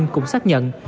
cũng xác nhận